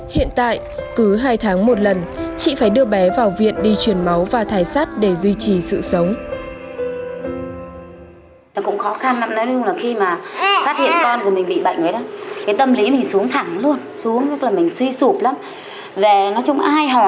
hiện tại cứ hai tháng một lần chị phải đưa bé vào viện đi chuyển máu và thải sắt để duy trì sự sống